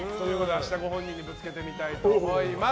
明日、ご本人にぶつけてみたいと思います。